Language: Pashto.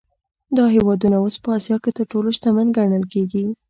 دا هېوادونه اوس په اسیا کې تر ټولو شتمن ګڼل کېږي.